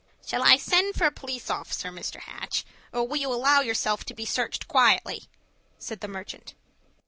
"Shall I send for a police officer, Mr. Hatch, or will you allow yourself to be searched quietly?" said the merchant.